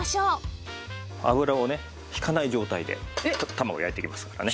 油をね引かない状態で卵焼いていきますからね。